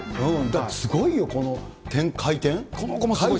だからすごいよ、この回転。